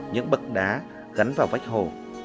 những bậc đá gắn vào vách hồ